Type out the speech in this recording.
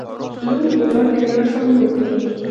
• لور د پلار د ویاړ سمبول وي.